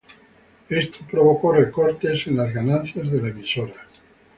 Esto causó en recorte en las ganancias de la emisora.